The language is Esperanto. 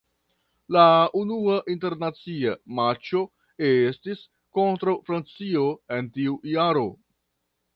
La unua internacia matĉo estis kontraŭ Francio en tiu jaro.